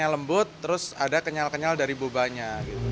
yang lembut terus ada kenyal kenyal dari bobanya